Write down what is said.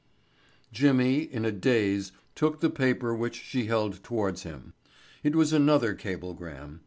Jimmy, in a daze, took the paper which she held towards him. It was another cablegram.